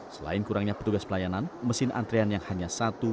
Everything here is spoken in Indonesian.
selain kurangnya petugas pelayanan mesin antrian yang hanya satu